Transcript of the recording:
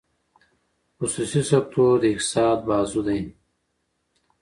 خصوصي سکتور د اقتصاد بازو دی.